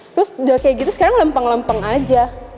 terus udah kayak gitu sekarang lempeng lempeng aja